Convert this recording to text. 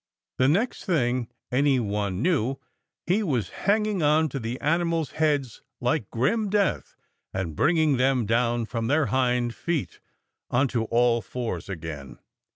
The next thing any one knew, he was hanging on to the animals heads like grim death, and bringing them down from their hind feet on to all fours again.